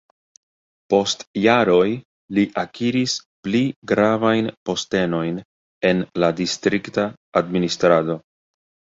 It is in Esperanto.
Post jaroj li akiris pli gravajn postenojn en la distrikta administrado.